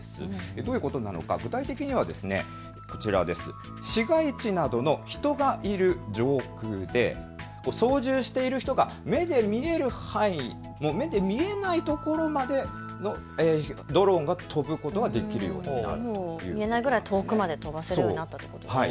どういうことなのか、具体的にはこちら、市街地などの人がいる上空で操縦している人が目で見えないところまでもドローンが飛ぶことができるようになった、見えないぐらい遠くまで飛ばせるようになったということですね。